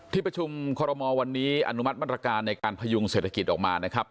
ที่ประชุมคอรมอลวันนี้อนุมัติมาตรการในการพยุงเศรษฐกิจออกมานะครับ